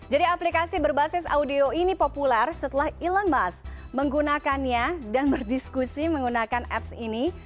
jadi aplikasi berbasis audio ini populer setelah elon musk menggunakannya dan berdiskusi menggunakan apps ini